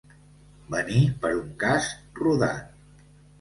Venir per un cas rodat.